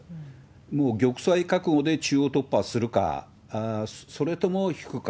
もう玉砕覚悟で中央突破するか、それとも引くか。